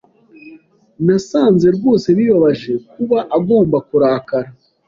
Nasanze rwose bibabaje kuba agomba kurakara.